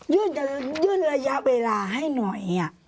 ยื่นระยะเวลาให้หน่อย